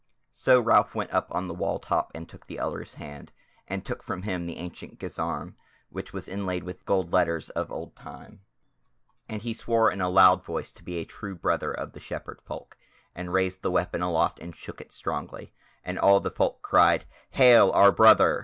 So Ralph went up on the wall top and took the Elder's hand, and took from him the ancient guisarme, which was inlaid with gold letters of old time; and he swore in a loud voice to be a true brother of the Shepherd folk, and raised the weapon aloft and shook it strongly, and all the Folk cried, "Hail our brother!"